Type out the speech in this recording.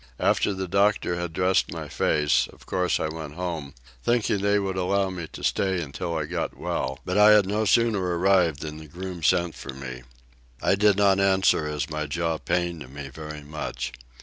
After the doctor had dressed my face, of course I went home, thinking they would allow me to stay until I got well, but I had no sooner arrived than the groom sent for me; I did not answer, as my jaw pained me very much.